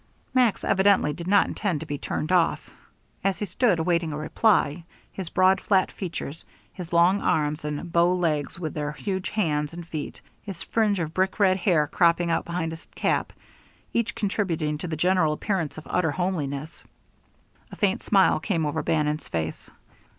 Max evidently did not intend to be turned off. As he stood awaiting a reply his broad, flat features, his long arms and bow legs with their huge hands and feet, his fringe of brick red hair cropping out behind his cap, each contributing to the general appearance of utter homeliness a faint smile came over Bannon's face.